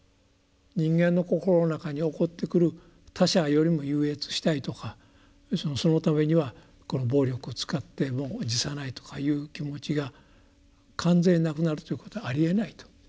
人間の心の中に起ってくる他者よりも優越したいとかそのためにはこの暴力を使っても辞さないとかいう気持ちが完全になくなるということはありえないと。